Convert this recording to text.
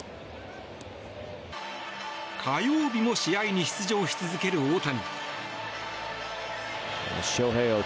火曜日も試合に出場し続ける大谷。